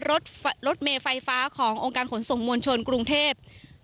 รถรถเมย์ไฟฟ้าขององค์การขนส่งมวลชนกรุงเทพ